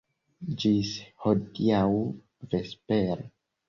Ĝis hodiaŭ vespere!